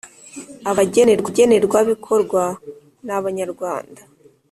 Abagenerwabikorwa ni Abanyarwanda